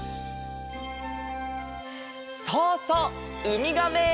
そうそうウミガメ！